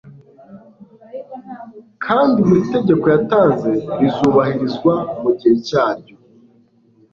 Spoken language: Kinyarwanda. kandi buri tegeko yatanze rizubahirizwa mu gihe cyaryo